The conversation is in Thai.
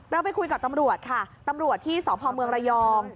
เราไปคุยกับตำรวจค่ะตำรวจที่สพเมืองระยอง